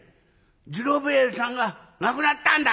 『次郎兵衛さんが亡くなったんだ』